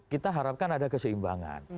kita harapkan ada keseimbangan